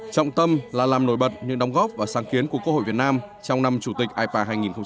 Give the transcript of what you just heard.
trọng tâm là làm nổi bật những đóng góp và sáng kiến của quốc hội việt nam trong năm chủ tịch ipa hai nghìn hai mươi